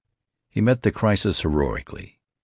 He met the crisis heroically.